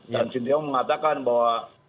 dan xinjiang mengatakan bahwa